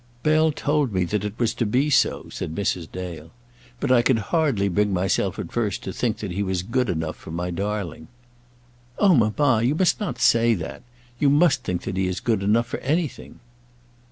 "Bell told me that it was to be so," said Mrs. Dale. "But I could hardly bring myself at first to think that he was good enough for my darling." "Oh, mamma! you must not say that. You must think that he is good enough for anything."